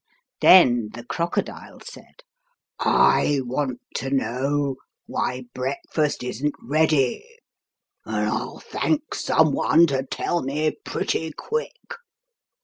Then the crocodile said, " I want to know why breakfast isn't ready, and I'll thank some one to tell me pretty quick.